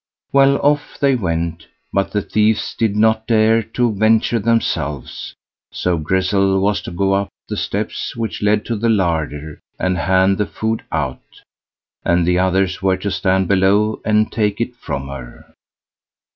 Well, off they went, but the thieves did not dare to venture themselves, so Grizzel was to go up the steps which led to the larder, and hand the food out, and the others were to stand below and take it from her.